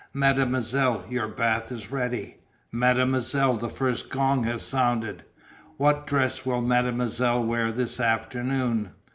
"Mademoiselle, your bath is ready." "Mademoiselle, the first gong has sounded." "What dress will Mademoiselle wear this afternoon?"